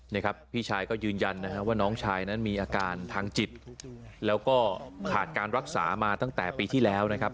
นี่ครับพี่ชายก็ยืนยันนะฮะว่าน้องชายนั้นมีอาการทางจิตแล้วก็ขาดการรักษามาตั้งแต่ปีที่แล้วนะครับ